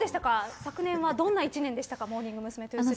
昨年はどんな１年でしたかモーニング娘。としては。